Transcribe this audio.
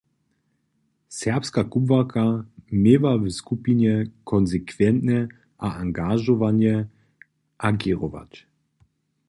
Serbska kubłarka měła w skupinje konsekwentnje a angažowanje agěrować.